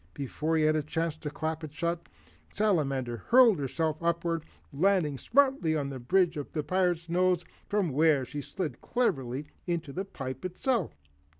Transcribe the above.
Before he had a chance to clap it shut, the Salamander hurled herself upward, landing smartly on the bridge of the Pirate's nose, from where she slid cleverly into the pipe itself.